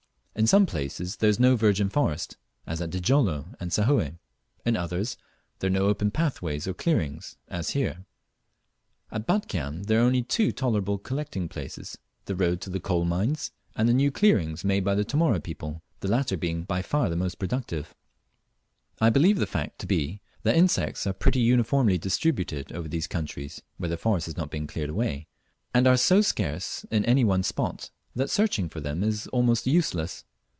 In some places there is no virgin forest, as at Djilolo and Sahoe; in others there are no open pathways or clearings, as here. At Batchian there are only two tolerable collecting places, the road to the coal mines, and the new clearings made by the Tomóre people, the latter being by far the most productive. I believe the fact to be that insects are pretty uniformly distributed over these countries (where the forests have not been cleared away), and are so scarce in any one spot that searching for them is almost useless.